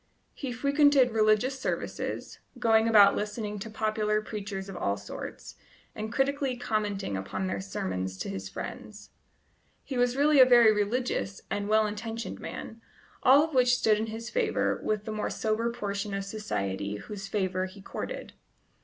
He frequented religious services, going about listening to popular preachers of all sorts, and critically commenting upon their sermons to his friends. He was really a very religious and well intentioned man, all of which stood in his favour with the more sober portion of society whose favour he courted.